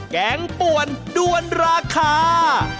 แกงป่วนด้วนราคา